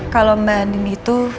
kalau mbak andin itu